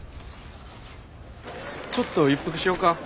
ちょっと一服しようか。